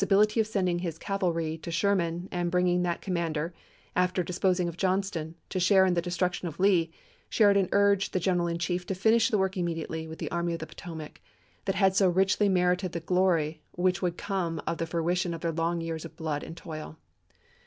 bility of sending his cavalry to Sherman and bring ing that commander, after disposing of Johnston, to share in the destruction of Lee, Sheridan urged the General in Chief to finish the work immediately with the Army of the Potomac, that had so richly merited the glory which would come of the fruition of their long years of blood and toil.